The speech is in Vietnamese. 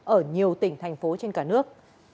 ở nhiều tỉnh thành phố trên cả nước